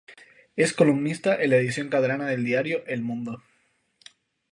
Es columnista en la edición catalana del diario "El Mundo".